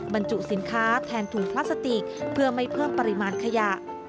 บรรจุสินค้าแทนถุงพลาสติกเพื่อไม่เพิ่มปริมาณขยะ